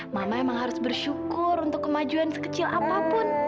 mama emang harus bersyukur untuk kemajuan sekecil apapun